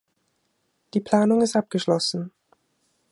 Die Planung ist abgeschlossen.